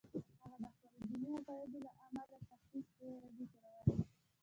هغه د خپلو دیني عقایدو له امله سختې شپې ورځې تېرولې